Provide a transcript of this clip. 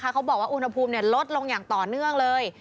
เขาบอกว่าอุณหภูมิลดลงอย่างต่อเนื่องเลย